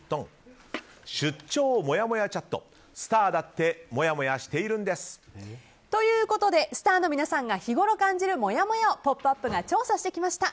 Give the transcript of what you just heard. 出張もやもやチャットスターだってもやもやしているんです！ということでスターの皆さんが日ごろ感じるもやもやを「ポップＵＰ！」が調査してきました。